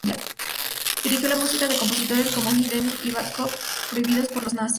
Dirigió la música de compositores como Hindemith y Bartók prohibidos por los nazis.